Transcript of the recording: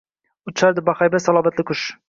Uchardi bahaybat, salobatli qush.